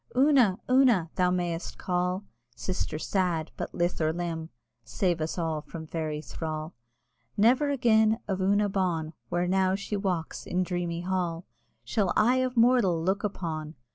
"Una! Una!" thou may'st call, Sister sad! but lith or limb (Save us all from Fairy thrall!) Never again of Una bawn, Where now she walks in dreamy hall, Shall eye of mortal look upon!